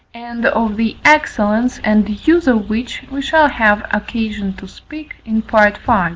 and of the excellence and use of which we shall have occasion to speak in Part V.